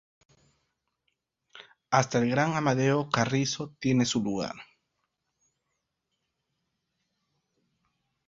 Hasta el gran Amadeo Carrizo tiene su lugar.